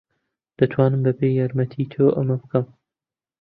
دەتوانم بەبێ یارمەتیی تۆ ئەمە بکەم.